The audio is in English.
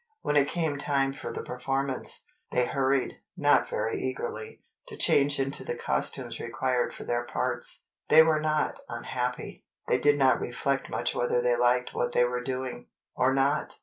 When it came time for the performance, they hurried, not very eagerly, to change into the costumes required for their parts. They were not unhappy. They did not reflect much whether they liked what they were doing, or not.